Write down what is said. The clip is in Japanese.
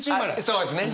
そうですね。